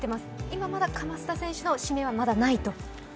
今まだ叺田選手の指名はないと。